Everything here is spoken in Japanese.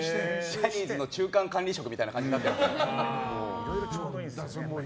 ジャニーズの中間管理職みたいな感じになっているので。